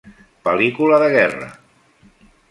Pel·lícula de guerra.